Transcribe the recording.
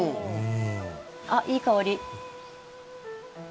あっいい香り。